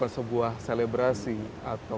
sebuah selebrasi atau